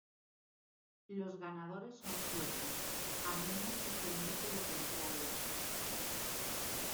Los ganadores son suecos, a menos que se indique lo contrario.